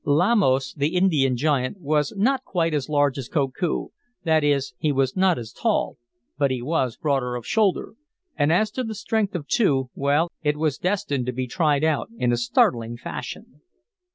Lamos, the Indian giant, was not quite as large as Koku. That is, he was not as tall, but he was broader of shoulder. And as to the strength of the two, well, it was destined to be tried out in a startling fashion.